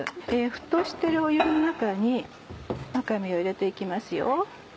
沸騰してる湯の中にわかめを入れて行きますよ。